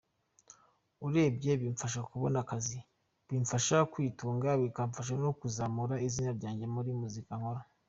Urebye bimfasha kubona akazi, bimfasha kwitunga bikamfasha no kuzamura izina ryanjye muri muzika nkora .